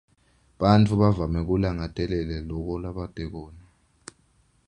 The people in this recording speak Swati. Bantfu bavame kulangatelela loko labate kona.